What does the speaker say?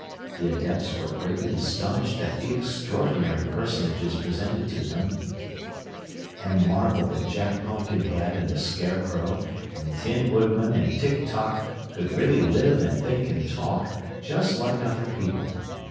The Adepts were greatly astonished at the extraordinary personages presented to them, and marveled that Jack Pumpkinhead and the Scarecrow and the Tin Woodman and Tik Tok could really live and think and talk just like other people.